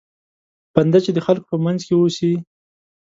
بنده چې د خلکو په منځ کې اوسي.